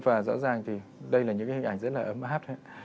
và rõ ràng thì đây là những cái hình ảnh rất là ấm áp